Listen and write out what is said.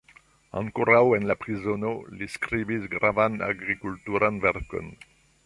Ankoraŭ en la prizono li skribis gravan agrikulturan verkon.